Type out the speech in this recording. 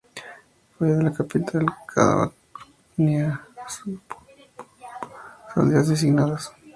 Fuera de la capital, cada grupo tenía sus aldeas designadas.